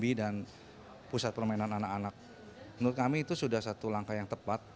kira kira mereuff itu barang tempat kese bmw juga memiliki kevaluasi pemula menurut saya